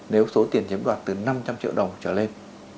nếu số tiền chiếm đoạt từ năm trăm linh triệu đồng trở lên